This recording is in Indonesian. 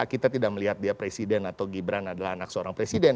kita tidak melihat dia presiden atau gibran adalah anak seorang presiden